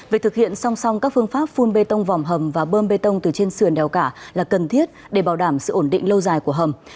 việc thực hiện song song các phương pháp phun bê tông vỏm hầm và bơm bê tông từ trên sườn đèo cả là cần thiết để bảo đảm sự ổn định lâu dài của hầm